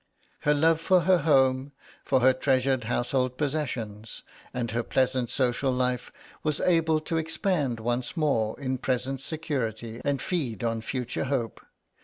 Her love for her home, for her treasured household possessions, and her pleasant social life was able to expand once more in present security, and feed on future hope.